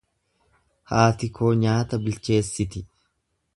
Haati koo nyaata bilcheessiti.